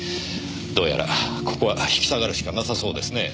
どうやらここは引き下がるしかなさそうですねぇ。